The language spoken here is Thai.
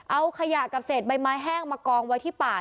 เอาขยะกับเศษใบไม้แห้งมากองไว้ที่ป่า